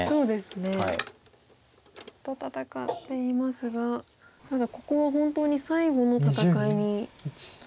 ずっと戦っていますがただここは本当に最後の戦いに。